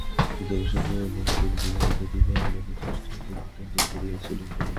সুদেবের সঙ্গে মতির বিবাহ দিবার কত চেষ্টাই যে নিতাই করিয়াছিল বলিবার নয়।